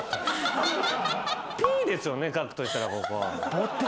「ｐ」ですよね書くとしたらここ。